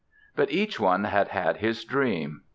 But each one had had his dream.